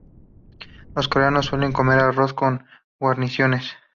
Los coreanos suelen comer arroz con guarniciones.